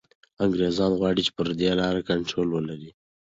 انګریزان غواړي چي پر دې لاره کنټرول ولري.